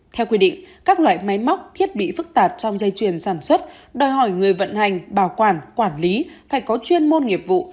theo quy định các loại máy móc thiết bị phức tạp trong dây chuyền sản xuất đòi hỏi người vận hành bảo quản quản lý phải có chuyên môn nghiệp vụ